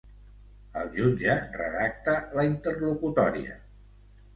El jutge redacta la interlocutòria.